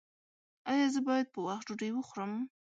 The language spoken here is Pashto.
ایا زه باید په وخت ډوډۍ وخورم؟